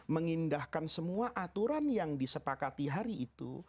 mengindahkan semua aturan yang disepakati hari itu